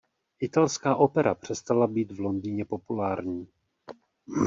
Italská opera přestala být v Londýně populární.